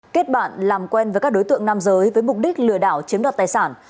kết bạn làm quen với các đối tượng nam giới với mục đích lừa đảo chiếm đoạt tài sản